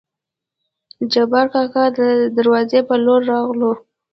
جبارکاکا دې دروازې په لور راغلو.